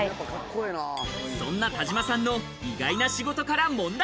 そんな田島さんの意外な仕事から問題。